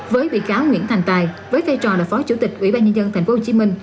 với bị cáo nguyễn thành tài với vai trò là phó chủ tịch ủy ban nhân dân tp hcm